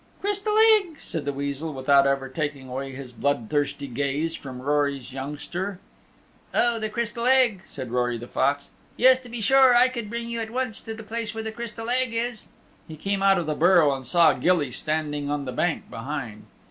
"Crystal Egg," said the Weasel without ever taking away his blood thirsty gaze from Rory's youngster. "Oh, the Crystal Egg," said Rory the Fox. "Yes, to be sure. I could bring you at once to the place where the Crystal Egg is." He came out of the burrow and saw Gilly standing on the bank behind.